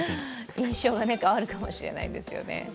印象が変わるかもしれないですよね。